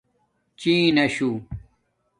چیناشُݸ